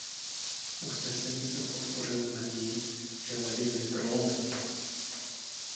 Usnesení jsem podpořil v naději, že ledy byly prolomeny.